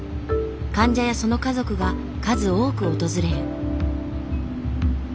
患者やその家族が数多く訪れる。